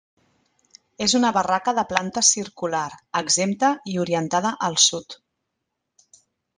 És una barraca de planta circular, exempta i orientada al sud.